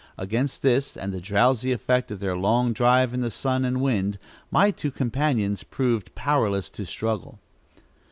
Against this, and the drowsy effect of their long drive in the sun and wind, my two companions proved powerless to struggle.